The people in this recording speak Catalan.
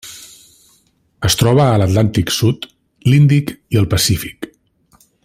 Es troba a l'Atlàntic sud, l'Índic i el Pacífic.